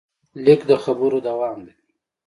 لیک د خبرو دوام دی.